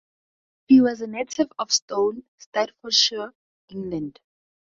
She was a native of Stone, Staffordshire, England.